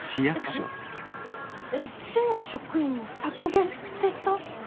えっ市の職員の削減って言った？